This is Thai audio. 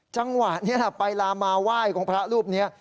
จังหวะนี้ไปลามาไหว้ของพระรูปนี้